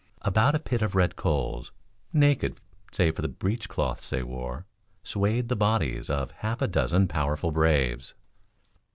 About a pit of red hot coals, naked save for the breech clouts they wore, swayed the bodies of half a dozen powerful braves.